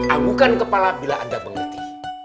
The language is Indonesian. abukan kepala bila anda mengerti